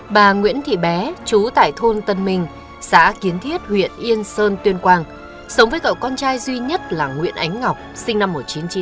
bà nguyễn thị bé chú tại thôn tân minh xã kiến thiết huyện yên sơn tuyên quang sống với cậu con trai duy nhất là nguyễn ánh ngọc sinh năm một nghìn chín trăm chín mươi